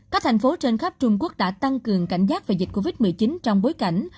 các thành phố trên khắp trung quốc đã tăng cường cảnh giác về dịch covid một mươi chín trong bối cảnh